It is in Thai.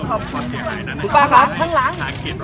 ขอช่วยคุณพี่อีกท่านหนึ่งครับ